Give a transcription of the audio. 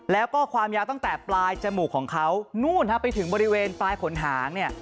แล้วก็ความยาวตั้งแต่ปลายจมูกของเขานู่นครับไปถึงบริเวณปลายขนหางเนี่ย